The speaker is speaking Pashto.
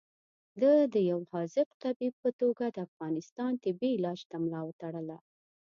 ده د یو حاذق طبیب په توګه د افغانستان تبې علاج ته ملا وتړله.